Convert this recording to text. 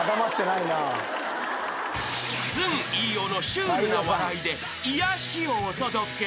［シュールな笑いで癒やしをお届け］